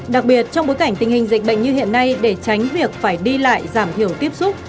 đặc biệt trong bối cảnh tình hình dịch bệnh như hiện nay để tránh việc phải đi lại giảm hiểu tiếp xúc